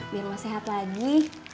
biar ma sehat lagi